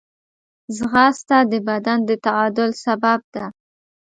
ځغاسته د بدن د تعادل سبب ده